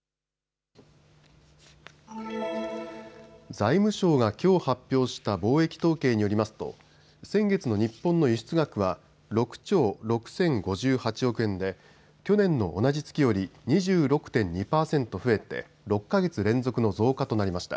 財務省がきょう発表した貿易統計によりますと先月の日本の輸出額は６兆６０５８億円で去年の同じ月より２６．２％増えて６か月連続の増加となりました。